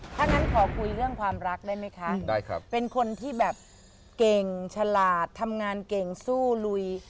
ถ้างั้นขอคุยเรื่องความรักได้ไหมคะเป็นคนที่แบบเก่งฉลาดทำงานเก่งสู้ลุย